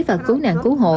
và cố nạn cứu hộ